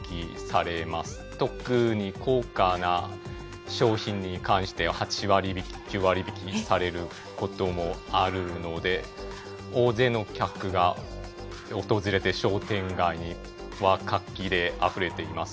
特に高価な商品に関しては８割引９割引される事もあるので大勢の客が訪れて商店街は活気で溢れています。